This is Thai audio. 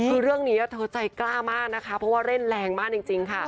คือเรื่องนี้เธอใจกล้ามากนะคะเพราะว่าเล่นแรงมากจริงค่ะ